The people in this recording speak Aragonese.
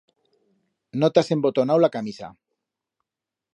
No t'has embotonau la camisa.